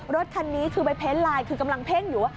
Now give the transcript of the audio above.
รถคันนี้คือไปเพ้นไลน์คือกำลังเพ่งอยู่ว่า